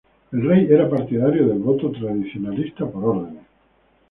El rey era partidario del voto tradicionalista por órdenes.